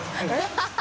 ハハハ